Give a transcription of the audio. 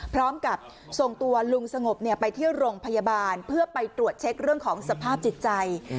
พร้อมกับส่งตัวลุงสงบไปที่โรงพยาบาลเพื่อไปตรวจเช็คเรื่องของสภาพจิตใจ